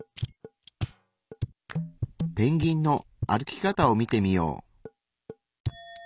ペンギンの歩き方を見てみよう。